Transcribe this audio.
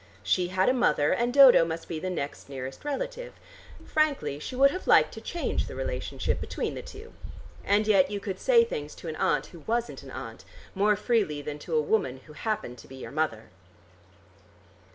She had a mother and Dodo must be the next nearest relative. Frankly, she would have liked to change the relationship between the two. And yet you could say things to an aunt who wasn't an aunt more freely than to a woman who happened to be your mother.